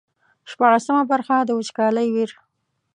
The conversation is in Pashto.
شپاړسمه برخه د وچکالۍ ویر.